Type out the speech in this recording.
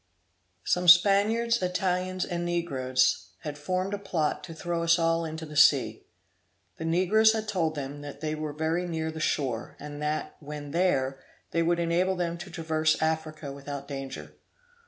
Some Spaniards, Italians, and negroes, had formed a plot to throw us all into the sea. The negroes had told them that they were very near the shore, and that, when there, they would enable them to traverse Africa without danger.